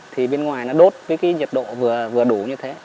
thì bên ngoài nó đốt với cái nhiệt độ vừa đủ như thế